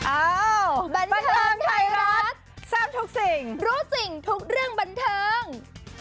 บันเทิงไทยรัฐทราบทุกสิ่งรู้สิ่งทุกเรื่องบันเทิง